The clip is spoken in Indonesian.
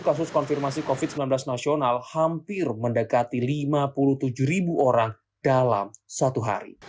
kasus konfirmasi covid sembilan belas nasional hampir mendekati lima puluh tujuh ribu orang dalam satu hari